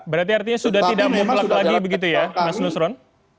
berarti artinya sudah tidak mutlak lagi begitu ya mas nusron